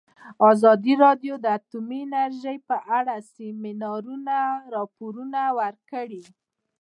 ازادي راډیو د اټومي انرژي په اړه د سیمینارونو راپورونه ورکړي.